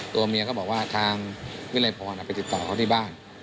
ตัวเมียก็บอกว่าทางวิรัยพรไปติดต่อเขาที่บ้าน